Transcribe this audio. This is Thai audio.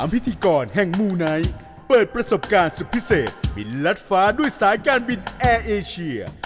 พิธีกรแห่งมูไนท์เปิดประสบการณ์สุดพิเศษบินลัดฟ้าด้วยสายการบินแอร์เอเชีย